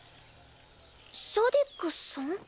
シャディクさん？